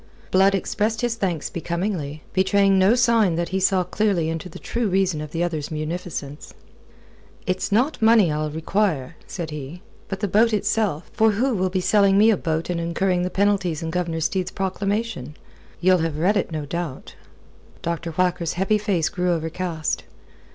Blood expressed his thanks becomingly, betraying no sign that he saw clearly into the true reason of the other's munificence. "It's not money I'll require," said he, "but the boat itself. For who will be selling me a boat and incurring the penalties in Governor Steed's proclamation? Ye'll have read it, no doubt?" Dr. Whacker's heavy face grew overcast.